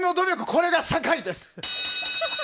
これが社会です。